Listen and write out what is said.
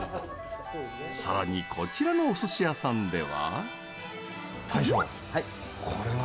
さらに、こちらのお寿司屋さんでは。